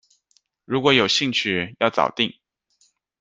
如果有兴趣要早定